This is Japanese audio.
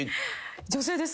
女性です。